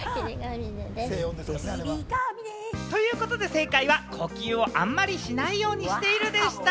正解は呼吸をあんまりしないようにしているでした！